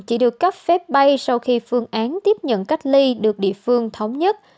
chỉ được cấp phép bay sau khi phương án tiếp nhận cách ly được địa phương thống nhất